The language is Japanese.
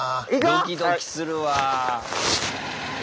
ドキドキするわぁ。